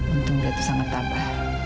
untung dia itu sangat tabah